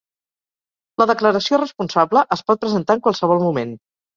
La declaració responsable es pot presentar en qualsevol moment.